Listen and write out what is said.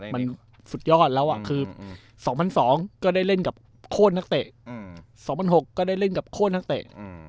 มันสุดยอดแล้วคือ๒๐๐๒ก็ได้เล่นกับโคตรนักเตะ๒๐๐๖ก็ได้เล่นกับโคตรนักเตะ